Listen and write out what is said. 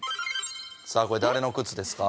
さあこれ誰の靴ですか？